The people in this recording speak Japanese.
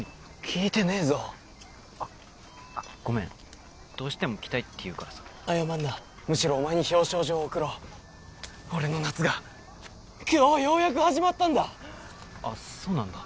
聞いてねえぞあっごめんどうしても来たいって言うからさ謝んなむしろお前に表彰状を贈ろう俺の夏が今日ようやく始まったんだあっそうなんだ